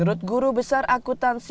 menurut guru besar akutansi